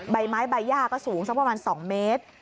ใบไม้ใบย่าก็สูงสักประมาณ๒เมตร